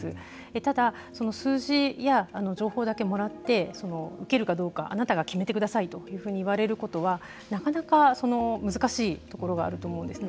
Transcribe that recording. ただ、数字や情報だけもらって受けるかどうかあなたが決めてくださいと言われることはなかなか難しいところがあると思うんですね。